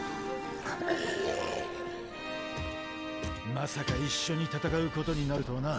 まさか一緒に戦うことになるとはな。